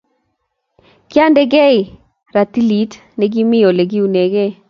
Kiandekei ratilit ne kimi Ole kiunegei